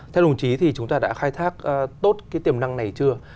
theo đồng chí chúng ta đã khai thác tốt tiềm năng này chưa